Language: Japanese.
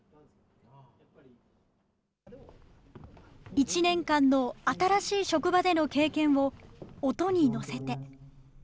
１年間の新しい職場での経験を、音に乗せて。